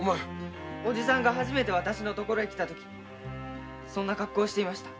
おじさんが初めて私の所へ来た時そんな格好をしていました。